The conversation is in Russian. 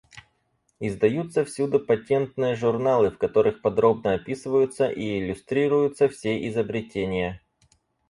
Издаются всюду патентные журналы, в которых подробно описываются и иллюстрируются все изобретения.